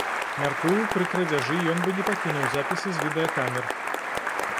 Мяркую, пры крадзяжы ён бы не пакінуў запісы з відэакамер.